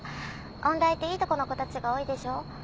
音大っていいとこの子たちが多いでしょう？